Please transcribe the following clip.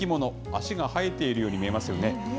足が生えているように見えますよね。